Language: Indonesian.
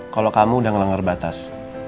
kalau kamu udah ngelanggar batas